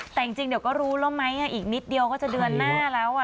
แต่จริงเดี๋ยวก็รู้แล้วไหมอีกนิดเดียวก็จะเดือนหน้าแล้ว